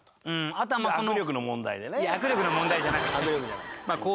いや握力の問題じゃなくてね。